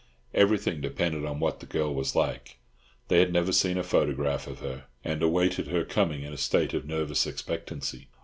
Everything depended on what the girl was like. They had never even seen a photograph of her, and awaited her coming in a state of nervous expectancy.